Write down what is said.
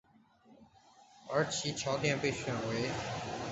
而其桥殿被选为。